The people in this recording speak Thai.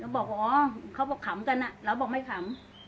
โหเขาบอกขำกันเราบอกไม่ขำ